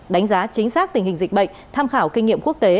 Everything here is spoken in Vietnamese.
đánh giá chính xác tình hình dịch bệnh tham khảo kinh nghiệm quốc tế